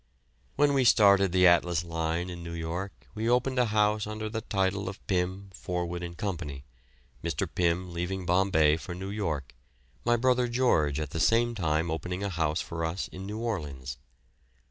When we started the Atlas Line in New York, we opened a house under the title of Pim, Forwood and Co., Mr. Pim leaving Bombay for New York, my brother George at the same time opening a house for us in New Orleans.